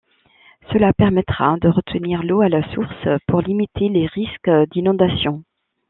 Cela permettra de retenir l'eau à la source pour limiter les risques d'inondation.